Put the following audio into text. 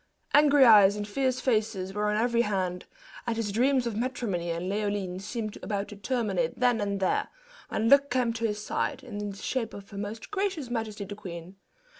Angry eyes and fierce faces were on every hand, and his dreams of matrimony and Leoline seemed about to terminate then and there, when luck came to his side, in the shape of her most gracious majesty the queen.